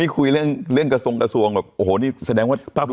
ไม่คุยเรื่องกระทรวงกระทรวงหรอกโอ้โหนี่แสดงว่า